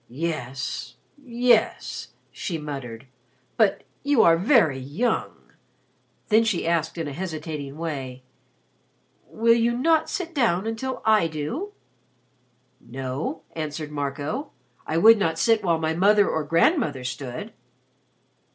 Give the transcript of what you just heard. "Yes. Yes," she muttered. "But you are very young." Then she asked in a hesitating way: "Will you not sit down until I do?" "No," answered Marco. "I would not sit while my mother or grandmother stood."